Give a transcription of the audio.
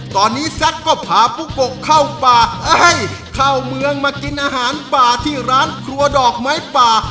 ตอนนี้แซ็กก็พาปุ๊กโกเข้าป่าเข้าเมืองมากินอาหารป่าที่ร้านครัวดอกไม้ป่า